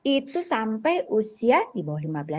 itu sama dengan vaxin vax